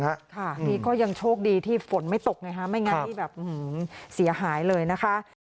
อันนี้ก็ยังโชคดีที่ฝนไม่ตกไงฮะไม่งั้นนี่แบบเสียหายเลยนะคะ